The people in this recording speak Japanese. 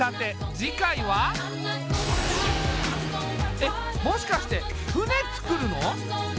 えっもしかして船作るの？